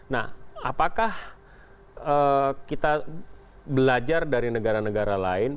nah apakah kita belajar dari negara negara lain